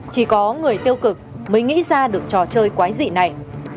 chỉ có người tiêu cực mới nghĩ ra được trò chơi quái dị này